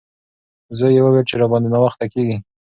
زوی یې وویل چې راباندې ناوخته کیږي.